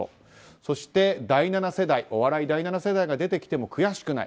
そしてお笑い第７世代が出てきても悔しくない。